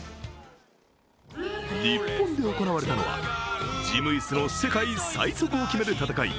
日本で行われたのは事務椅子の世界最速を決める戦い